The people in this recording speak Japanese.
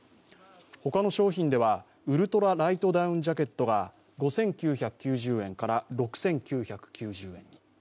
他の商品ではウルトラライトダウンジャケットが５９９０円から、６９９０円に。